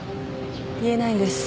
言えないんです